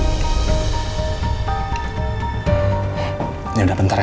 ini udah bentar ya